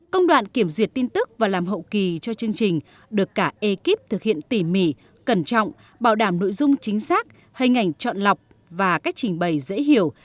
công đoạn kiểm duyệt tin tức và làm hậu kỳ cho chương trình được cả ekip thực hiện tỉ mỉ cẩn trọng bảo đảm nội dung chính xác hình ảnh chọn lọc và cách trình bày dễ hiểu